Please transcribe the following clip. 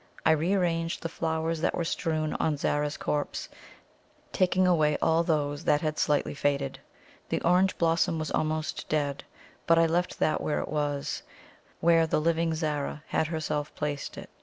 I re arranged the flowers that were strewn on Zara's corpse, taking away all those that had slightly faded. The orange blossom was almost dead, but I left that where it was where the living Zara had herself placed it.